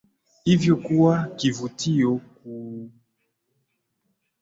hivyo kuwa kivutio kikubwa kwa wapanda milima kutoka kila pande za dunia